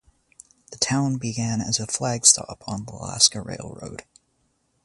The town began as a flag stop on the Alaska Railroad.